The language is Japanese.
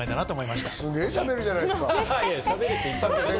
すげぇしゃべるじゃないですか。